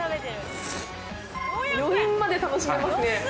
余韻まで楽しめますね